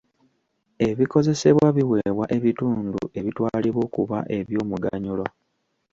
Ebikozesebwa biweebwa ebitundu ebitwalibwa okuba eby'omuganyulo.